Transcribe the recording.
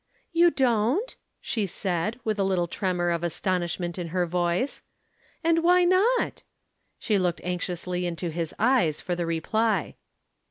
"You don't?" she said, with a little tremor of astonishment in her voice. "And why not?" She looked anxiously into his eyes for the reply.